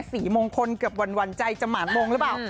สีมงคลเกือบหวั่นใจจะหมานมงหรือเปล่า